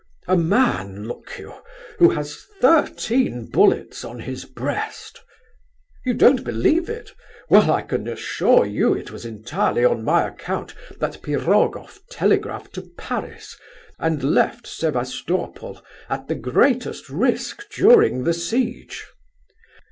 A man, look you, who has thirteen bullets on his breast!... You don't believe it? Well, I can assure you it was entirely on my account that Pirogoff telegraphed to Paris, and left Sebastopol at the greatest risk during the siege.